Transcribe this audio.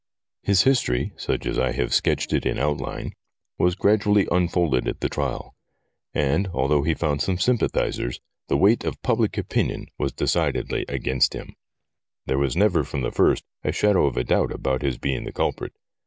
His history, such as I have sketched it in outline, was gradually unfolded at the trial, and, although he found some sympathisers, the weight of public opinion was decidedly 72 STORIES WEIRD AND WONDERFUL against him. There never was from the first a shadow of a doubt about his being the culprit.